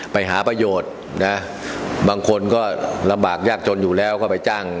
ไปหาประโยชน์นะบางคนก็ลำบากยากจนอยู่แล้วก็ไปจ้าง